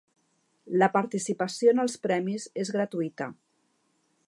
La participació en els premis és gratuïta.